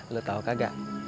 lo tau kagak